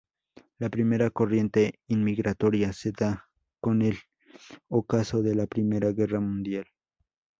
La primera corriente inmigratoria se da con el ocaso de la primera guerra mundial.